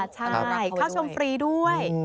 ใช่เข้าชมฟรีด้วย